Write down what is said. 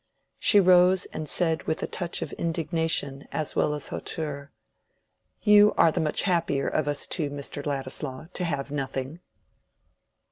She rose and said with a touch of indignation as well as hauteur— "You are much the happier of us two, Mr. Ladislaw, to have nothing."